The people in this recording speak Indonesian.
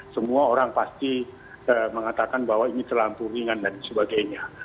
semua orang pasti mengatakan bahwa ini terlampu ringan dan sebagainya